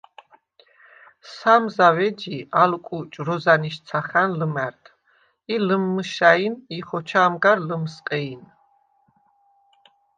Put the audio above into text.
სამ ზავ ეჯი, ალ კუჭ, როზანიშცახა̈ნ ლჷმა̈რდ ი ლჷმმჷშაინ ი ხოჩამ გარ ლჷმსყეინ.